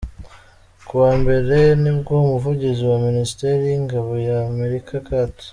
Ku wa mbere nibwo umuvugizi wa Minisiteri y’ingabo ya Amerika Capt.